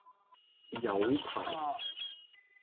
有排